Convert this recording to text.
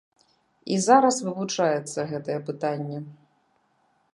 І зараз вывучаецца гэтае пытанне.